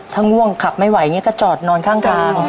ถ้าง่วงขับไม่ไหวก็จอดนอนข้าง